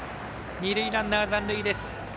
二塁ランナー残塁です。